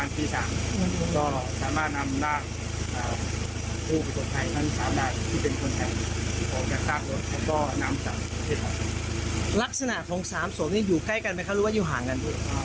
ลักษณะของ๓ศพนี้อยู่ใกล้กันไหมครับหรือว่าอยู่ห่างกัน